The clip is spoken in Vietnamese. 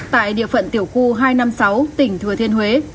tại địa phận tiểu khu hai trăm năm mươi sáu tỉnh thừa thiên huế